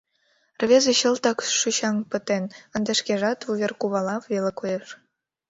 Рвезе чылтак шӱчаҥ пытен, ынде шкежат вуверкувала веле коеш.